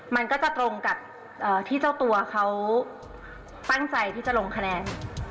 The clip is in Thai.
มันก็จะตรงกับที่เจ้าตัวเขาตั้งใจที่จะลงคะแนน